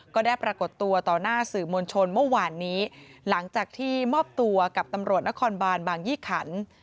ก็ได้ปรากฏตัวต่อหน้าสื่อมวลชนเมื่อวานนี้หลังจากที่มอบตัวกับตำรวจนครบานบางยี่ขัน